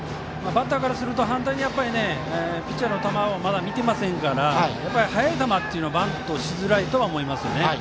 バッターからすると、反対にピッチャーの球をまだ見ていませんから速い球はバントしづらいとは思います。